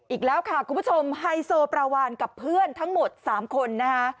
อีกแล้วค่ะคุณผู้ชมไฮโซปลาวานกับเพื่อนทั้งหมด๓คนนะคะ